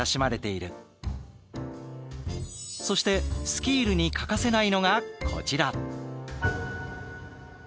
そしてスキールに欠かせないのがこちら。